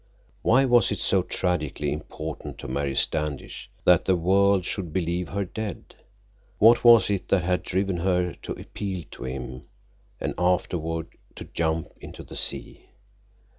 Why was it so tragically important to Mary Standish that the world should believe her dead? What was it that had driven her to appeal to him and afterward to jump into the sea?